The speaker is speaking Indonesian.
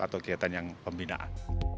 atau kegiatan yang pembinaan